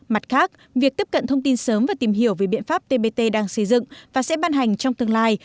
mặt khác việc tiếp cận thông tin sớm và tìm hiểu về biện pháp tbt đang xây dựng và sẽ ban hành trong tương lai